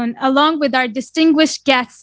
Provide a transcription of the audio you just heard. dan para penonton yang terkenal